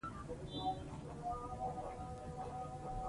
د نېپال ښځو څه وکړل؟